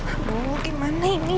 aduh gimana ini